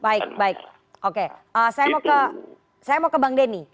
baik baik oke saya mau ke bang denny